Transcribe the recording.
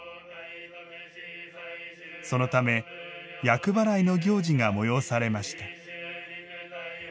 そのため、厄払いの行事が催されました。